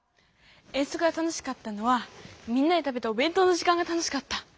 遠足が楽しかったのはみんなで食べたおべんとうの時間が楽しかった！